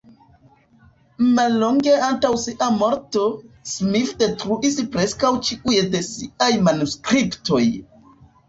Mallonge antaŭ sia morto Smith detruis preskaŭ ĉiuj de siaj manuskriptoj.